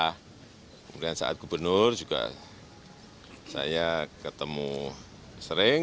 kemudian saat gubernur juga saya ketemu sering